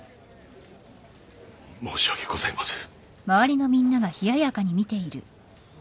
申し訳ございません